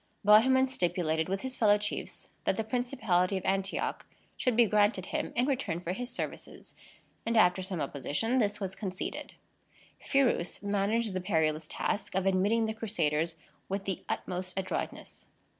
Bohemond stipulated with his fellow chiefs that the principality of Antioch should be granted him in return for his services; and, after some opposition, this was conceded. Phirous managed the perilous task of admitting the Crusaders with the utmost adroitness.